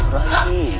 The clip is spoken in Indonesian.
dasar kau dukun palsu